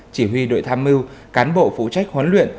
chỉ huy đội tham mưu cán bộ phụ trách huấn luyện